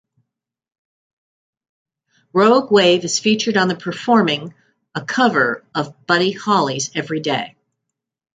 Rogue Wave is featured on the performing a cover of Buddy Holly's "'Everyday'".